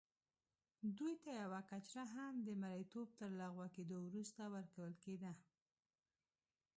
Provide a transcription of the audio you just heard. دوی ته یوه کچره هم د مریتوب تر لغوه کېدو وروسته ورکول کېده.